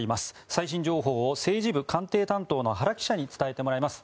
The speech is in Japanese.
最新情報を政治部官邸担当の原さんに伝えてもらいます。